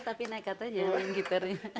tapi naik katanya dengan gitarnya